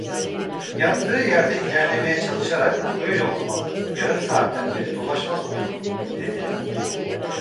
Yattığı yerde ilerlemeye çalışarak: 'Öyle olmalı, yarım saatten beri dolaşmaz oldu!' dedi.